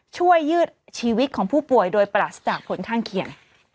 ช่วยยืดชีวิตของผู้ป่วยโดยปรัสจากผลทางเขียน